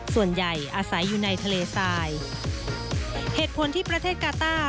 ส่วนใหญ่อาศัยอยู่ในทะเลทรายเหตุผลที่ประเทศกาต้า